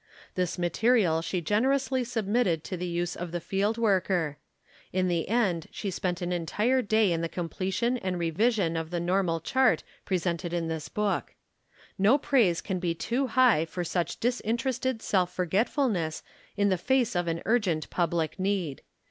This material she generously submitted to the use of the field worker. In the end she spent an entire day in the completion and revision of FACTS ABOUT THE KALLIKAK FAMILY 99 the normal chart presented in this book. No praise can be too high for such disinterested self forgetfulness in the face of an urgent public need.